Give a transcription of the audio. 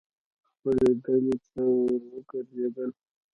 خپلې ډلې ته ور وګرځېدل.